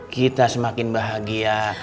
kita semakin bahagia